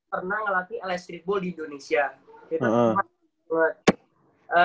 pernah ngelatih l streetball di indonesia